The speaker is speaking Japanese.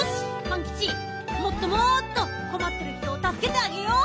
パンキチもっともっとこまってる人をたすけてあげよう！